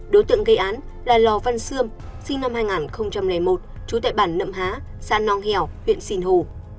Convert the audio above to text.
đối tượng gây án là lò văn sươm sinh năm hai nghìn một trú tại bản nậm há san nong hèo huyện sìn hồ